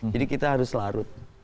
jadi kita harus larut